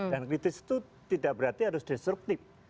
dan kritis itu tidak berarti harus destruktif